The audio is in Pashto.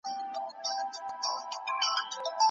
ځیني خلګ یوازي د ځان ښودني له امله دا کار کوي.